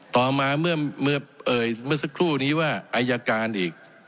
ต่อมาเมื่อสักครู่นี้ว่าอัยการอีก